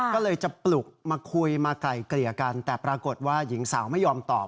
ก็เลยจะปลุกมาคุยมาไกลเกลี่ยกันแต่ปรากฏว่าหญิงสาวไม่ยอมตอบ